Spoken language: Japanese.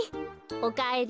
おかえり。